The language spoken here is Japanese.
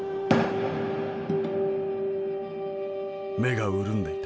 「目が潤んでいた。